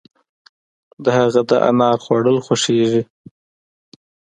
د هغه د انار خوړل خوښيږي.